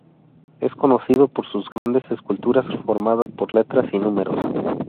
Es conocido por sus grandes esculturas formadas por letras y números.